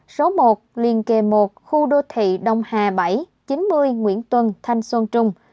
số một liên kề một khu đô thị đông hà bảy chín mươi nguyễn tuân thanh xuân trung